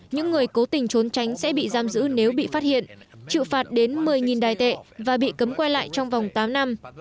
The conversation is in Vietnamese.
những người cố tình trốn tránh sẽ bị giam giữ nếu bị phát hiện chịu phạt đến một mươi đài tệ và bị cấm quay lại trong vòng tám năm